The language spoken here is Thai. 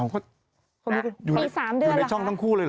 ปี๓เดือนอยู่ในช่องทั้งคู่เลยเหรอ